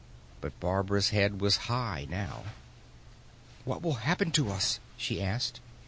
But Barbara's head was high now. "What will happen to us?" she asked.